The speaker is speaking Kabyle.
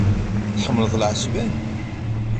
Tḥemmleḍ lɛesban?